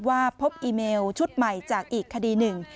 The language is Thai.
ว่าพบอีเมลชุดใหม่จากอีกคดีหนึ่ง